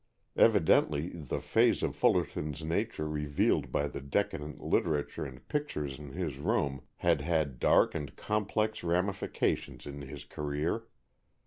Evidently the phase of Fullerton's nature revealed by the decadent literature and pictures in his room had had dark and complex ramifications in his career.